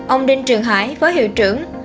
ông đinh trường hải phó hiệu trưởng